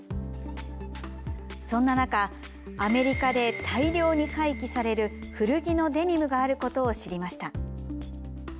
そんな中、アメリカで大量に廃棄される古着のデニムがあることを知りました。